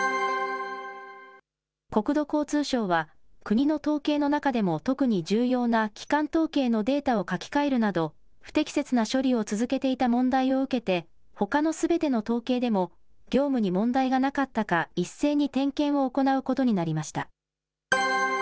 国土交通省は、国の統計の中でも特に重要な基幹統計のデータを書き換えるなど、不適切な処理を続けていた問題を受けて、ほかのすべての統計でも業務に問題がなかったか一斉に点検を行うことになりました。